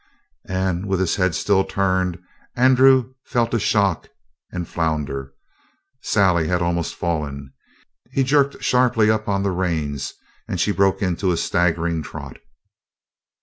And with his head still turned, Andrew felt a shock and flounder. Sally had almost fallen. He jerked sharply up on the reins, and she broke into a staggering trot.